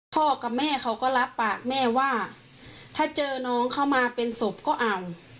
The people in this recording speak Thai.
กับแม่เขาก็รับปากแม่ว่าถ้าเจอน้องเข้ามาเป็นศพก็เอา